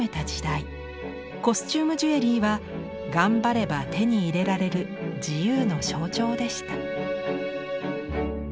コスチュームジュエリーは頑張れば手に入れられる自由の象徴でした。